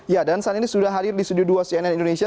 ya dan saat ini sudah hadir di studio dua cnn indonesia